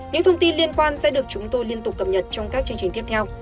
những thông tin liên quan sẽ được chúng tôi liên tục cập nhật trong các chương trình tiếp theo